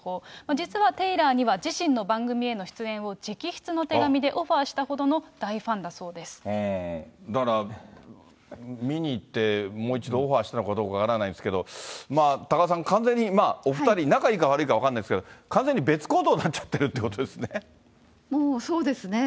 実はテイラーには、自身の番組への出演を直筆の手紙でオファーしたほどの大ファンだだから、見に行って、もう一度オファーしたのかどうか分からないですけど、多賀さん、完全にお２人仲いいか悪いか分からないですけど、完全に別行動にもうそうですね。